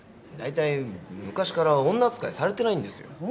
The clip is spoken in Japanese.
だいたい昔から女扱いされてないんですよ。